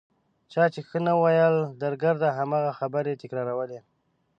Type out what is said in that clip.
چا چې ښه نه ویل درګرده هماغه خبرې تکرارولې.